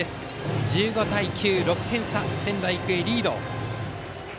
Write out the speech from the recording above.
１５対９、６点差で仙台育英、リード。